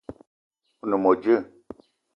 O ne mo djeue?